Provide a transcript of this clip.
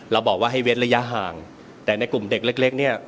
เราบอกว่าให้เว้นระยะห่างแต่ในกลุ่มเด็กเล็กเนี่ย